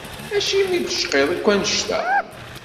Acimi d-teqḍiḍ akk annect-a?